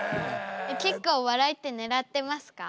結構笑いって狙ってますか？